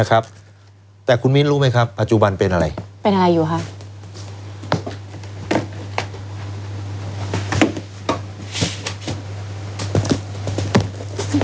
แต่คุณมิ้นรู้ไหมครับปัจจุบันเป็นอะไรเป็นอะไรอยู่ครับ